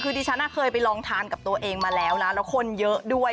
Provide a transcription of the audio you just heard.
คือดิฉันเคยไปลองทานกับตัวเองมาแล้วนะแล้วคนเยอะด้วย